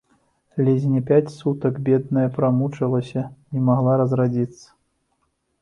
Ледзь не пяць сутак, бедная, прамучылася, не магла разрадзіцца.